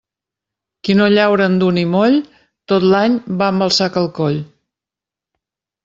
Qui no llaura en dur ni moll, tot l'any va amb el sac al coll.